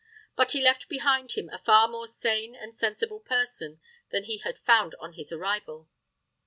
But he left behind him a far more sane and sensible person than he had found on his arrival.